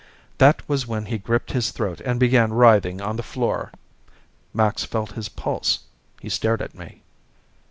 That was when he gripped his throat and began writhing on the floor. Max felt his pulse. He stared at me.